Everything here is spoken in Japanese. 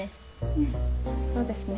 うんそうですね。